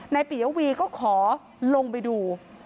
ปียวีก็ขอลงไปดู